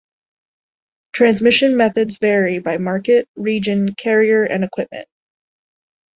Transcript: Transmission methods vary by market, region, carrier, and equipment.